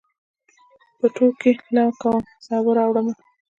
پټو کې لو کوم، سابه راوړمه